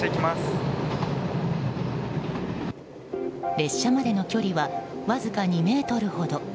列車までの距離はわずか２ｍほど。